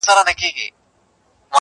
اړ سترگي نه لري.